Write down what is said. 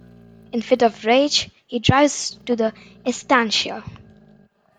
In a fit of rage, he drives out to the "estancia".